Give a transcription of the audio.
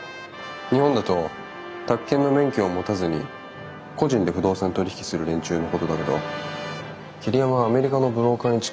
日本だと宅建の免許を持たずに個人で不動産取り引きする連中のことだけど桐山はアメリカのブローカーに近いんじゃないかな。